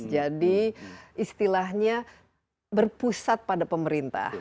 jadi istilahnya berpusat pada pemerintah